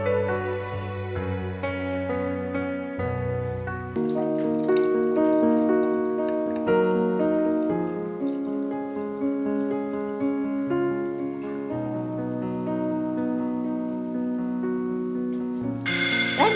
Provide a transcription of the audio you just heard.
tanpa tentang nama